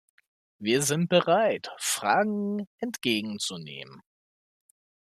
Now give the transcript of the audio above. Wir sind bereit, Fragen entgegen zu nehmen.